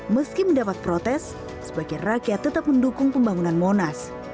meski mendapat protes sebagian rakyat tetap mendukung pembangunan monas